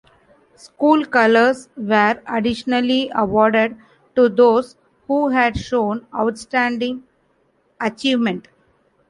"School colours" were additionally awarded to those who had shown outstanding achievement.